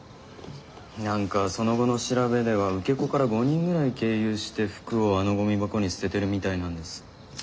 何かその後の調べでは受け子から５人ぐらい経由して服をあのゴミ箱に捨ててるみたいなんです。